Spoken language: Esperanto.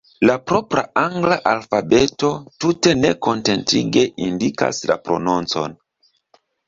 La propra angla alfabeto tute nekontentige indikas la prononcon.